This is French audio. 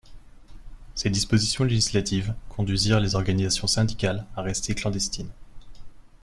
Ces dispositions législatives conduisirent les organisations syndicales à rester clandestines.